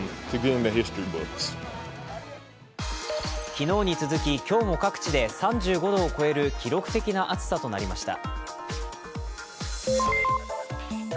昨日に続き今日も各地で３５度を超える記録的な暑さとなりました。